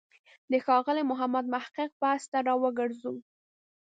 د ښاغلي محمد محق مبحث ته راوګرځو.